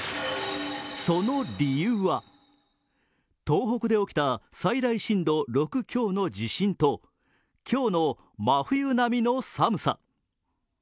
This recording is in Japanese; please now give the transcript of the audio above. その理由は東北で起きた最大震度６強の地震と今日の真冬並みの寒さ。